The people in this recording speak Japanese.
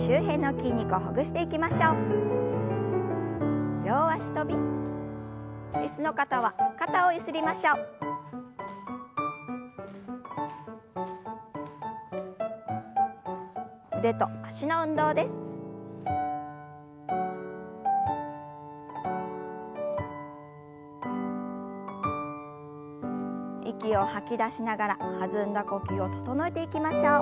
息を吐き出しながら弾んだ呼吸を整えていきましょう。